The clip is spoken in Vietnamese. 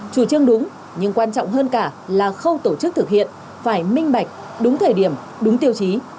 chủ trương đúng nhưng quan trọng hơn cả là khâu tổ chức thực hiện phải minh bạch đúng thời điểm đúng tiêu chí